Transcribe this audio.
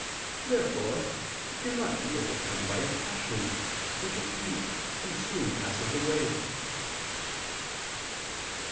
Therefore it cannot be overcome by a passion, which is weak and soon passes away.